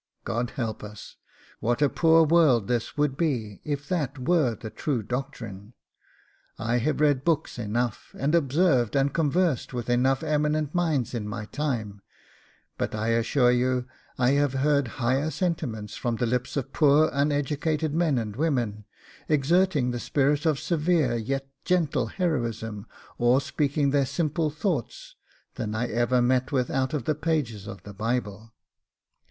"God help us, what a poor world this would be if that were the true doctrine! I have read books enough, and observed and conversed with enough eminent minds in my time, but I assure you I have heard higher sentiments from the lips of poor uneducated men and women, exerting the spirit of severe yet gentle heroism, or speaking their simple thoughts, than I ever met with out of the pages of the Bible.